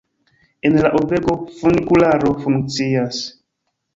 En la urbego funikularo funkcias.